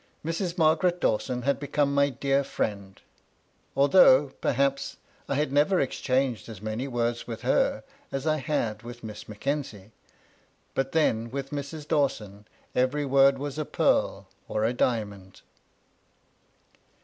Mrs. Margaret Dawson had become my dear friend, although, perhaps, I had never exchanged as many words with her as I had with Miss Mackenzie, but then with Mrs. Dawson every word was a pearl or a diamond.